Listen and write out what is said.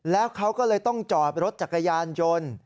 แล้วเขาก็เลยต้องจอดรถจักรยานยนต์